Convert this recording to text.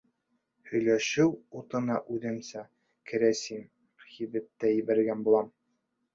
Һөйләшеү утына үҙемсә «кәрәсин» һибеп тә ебәргән булам.